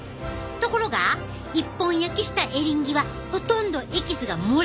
ところが一本焼きしたエリンギはほとんどエキスが漏れ出ないねん。